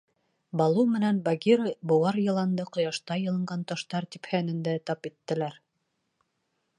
Балу менән Багира быуар йыланды ҡояшта йылынған таштар типһәнендә тап иттеләр.